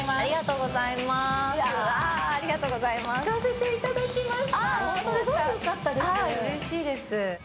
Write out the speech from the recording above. うれしいです。